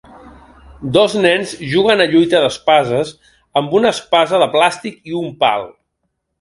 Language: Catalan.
Dos nens juguen a lluita d'espases amb una espasa de plàstic i un pal.